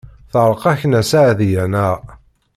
Teɛreq-ak Nna Seɛdiya, naɣ?